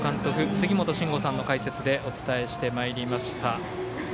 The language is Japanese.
杉本真吾さんの解説でお伝えしてまいりました。